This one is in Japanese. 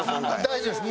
大丈夫です。